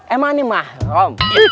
emang ini mahrum